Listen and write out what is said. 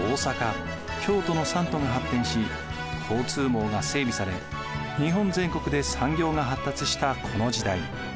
京都の三都が発展し交通網が整備され日本全国で産業が発達したこの時代。